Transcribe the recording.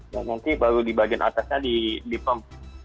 dan nanti baru di bagian atasnya di perm